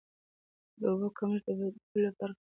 د اوبو کمښت د بډوګو لپاره خطرناک دی.